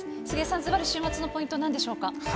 杉江さん、ずばり週末のポイントはなんでしょうか？